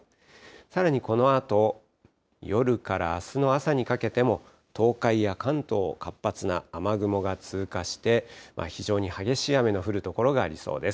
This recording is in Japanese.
さらにこのあと夜からあすの朝にかけても、東海や関東、活発な雨雲が通過して、非常に激しい雨の降る所がありそうです。